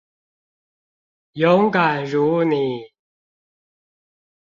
勇敢如妳